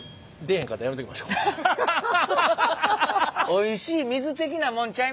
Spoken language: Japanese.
おいしい水。